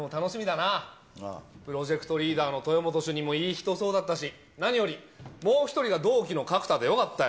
プロジェクトリーダーの豊本主任もいい人そうだったし、何よりもう１人が同期の角田でよかったよ。